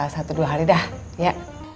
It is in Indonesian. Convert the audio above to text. satu dua hari dah ya